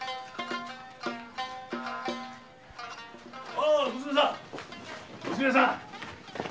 おい娘さん娘さん。